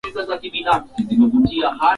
mengi idadi kubwa ya wakazi walikuwa Wakristo